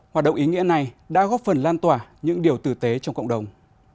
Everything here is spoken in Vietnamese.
hoạt động ý nghĩa này đã góp phần lan tỏa những điều tử tế trong cộng đồng